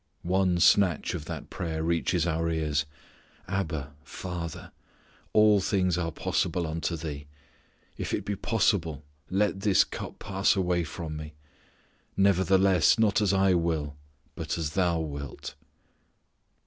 One snatch of that prayer reaches our ears: "Abba, Father, all things are possible unto Thee if it be possible let this cup pass away from Me; nevertheless not as I will, but as Thou wilt."